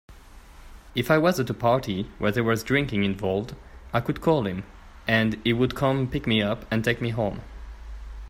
If I was at a party where there was drinking involved, I could call him and he would come pick me up and take me home.